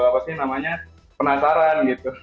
pasti namanya penasaran